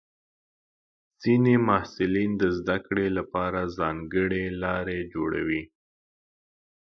ځینې محصلین د زده کړې لپاره ځانګړې لارې جوړوي.